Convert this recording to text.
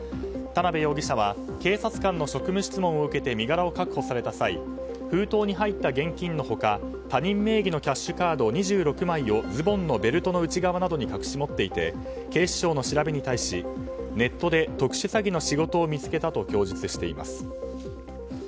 田辺容疑者は警察官の職務質問を受けて身柄を確保された際封筒に入った現金の他他人名義のキャッシュカード２６枚をズボンのベルトの内側などに隠し持っていて警視庁の調べに対しネットで特殊詐欺の仕事を見つけたと供述しています。